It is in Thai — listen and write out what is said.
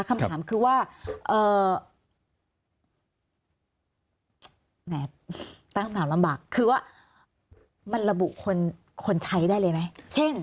คำถามคือว่าแหมตั้งคำถามลำบากคือว่ามันระบุคนใช้ได้เลยไหมเช่น